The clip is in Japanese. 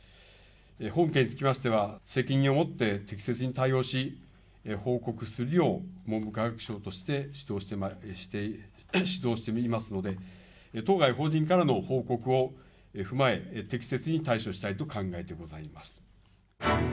本件につきましては責任を持って適切に対応し、報告するよう、文部科学省として指導していますので、当該法人からの報告を踏まえ、適切に対処したいと考えてございます。